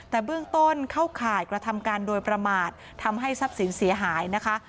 แต่เบื้องต้นเข้าข่ายกระทำการโดยประมาททำให้ทรัพย์สินเสียหายนะคะ